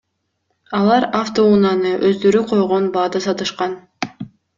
Алар автоунааны өздөрү койгон баада сатышкан.